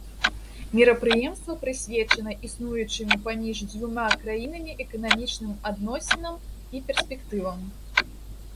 Мерапрыемства прысвечана існуючым паміж дзвюма краінамі эканамічным адносінам і перспектывам.